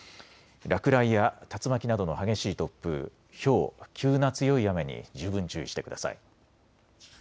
落雷や竜巻などの激しい突風、ひょう、急な強い雨に十分注意してください。